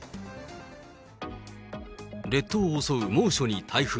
列島を襲う猛暑に台風。